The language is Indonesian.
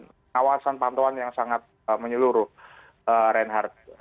pengawasan pantauan yang sangat menyeluruh reinhardt